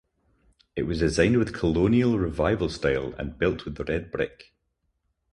It was designed with Colonial Revival style and built with red brick.